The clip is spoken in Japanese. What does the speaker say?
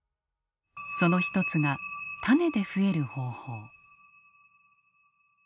その一つが種で増える方法。